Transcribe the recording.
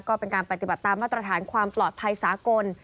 ก็เป็นการปฏิบัติตามมาตรฐานความปลอดภัยสากล